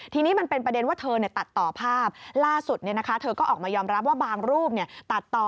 ทีนี้มันเป็นประเด็นว่าเธอเนี่ยตัดต่อภาพล่าสุดเนี่ยนะคะเธอก็ออกมายอมรับว่าบางรูปเนี่ยตัดต่อ